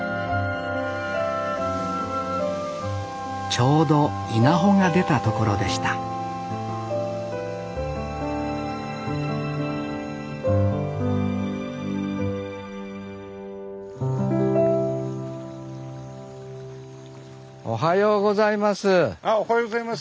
ちょうど稲穂が出たところでしたおはようございます。